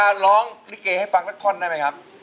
คุณตาร้องลิเกย์ให้ฟังสักครอนได้ไหมครับ